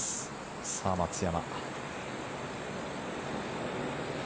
さあ、松山。